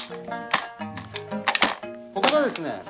ここがですね